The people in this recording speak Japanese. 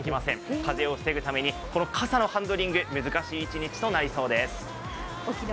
風を防ぐために、傘のハンドリング難しい一日となりそうです。